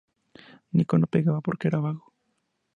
Nico no pegaba porque era vago.